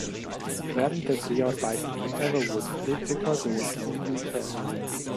Während der Dreharbeiten von "Everwood" lebte Cardone in Utah.